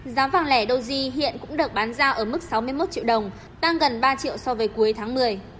giá vàng lẻ doji hiện cũng được bán giao ở mức sáu mươi một triệu đồng tăng gần ba triệu so với cuối tháng một mươi